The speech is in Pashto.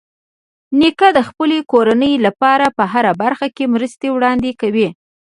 نیکه د خپلې کورنۍ لپاره په هره برخه کې مرستې وړاندې کوي.